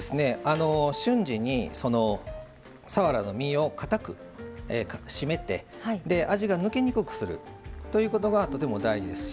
瞬時にそのさわらの身をかたく締めて味が抜けにくくするということがとても大事ですし